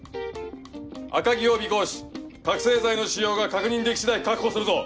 赤城を尾行し覚醒剤の使用が確認でき次第確保するぞ。